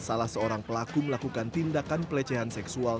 salah seorang pelaku melakukan tindakan pelecehan seksual